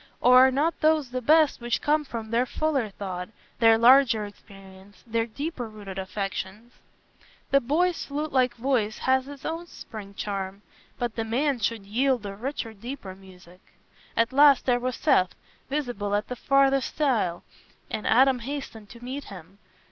Or are not those the best which come from their fuller thought, their larger experience, their deeper rooted affections? The boy's flutelike voice has its own spring charm; but the man should yield a richer deeper music. At last, there was Seth, visible at the farthest stile, and Adam hastened to meet him.